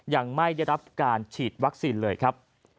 ยังไม่ได้รับการฉีดวัคซีนเลยครับ